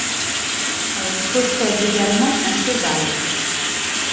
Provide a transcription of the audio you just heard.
Elle possède également un cheval.